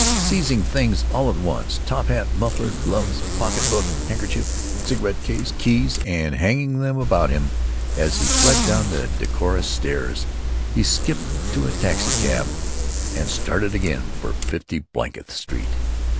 Seizing things all at once—top hat, muffler, gloves, pocketbook, handkerchief, cigarette case, keys—and hanging them about him as he fled down the decorous stairs, he skipped to the taxicab and started again for Fifty blankth Street.